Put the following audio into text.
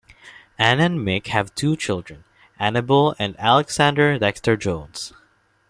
Ann and Mick have two children, Annabelle and Alexander Dexter-Jones.